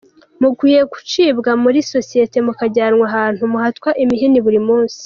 Mukwiye gucibwa muri societe, mukajyanwa ahantu muhatwa imihini buri munsi.